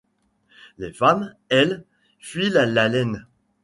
Les femmes, elles, filent la laine.